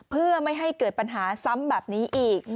เพื่อไม่ให้เกิดปัญหาซ้ำแบบนี้อีก